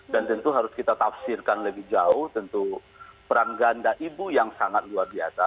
dan tentu harus kita tafsirkan lebih jauh tentu perang ganda ibu yang sangat luar biasa